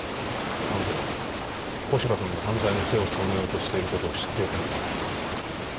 彼女は古芝君が犯罪に手を染めようとしていることを知っていたんだ。